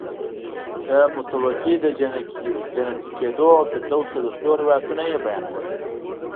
د متوفي د جنتي کېدو او فردوس ته د تلو روایتونه یې بیانول.